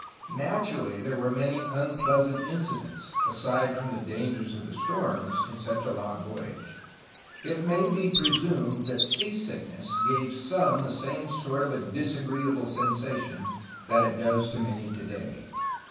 Natur ally, there were many unpleasant incidents, aside from the dangers of the storms, in such a long voyage. It may be presumed that sea sickness gave some the same sort of a disagreeable sensation that it does to many today.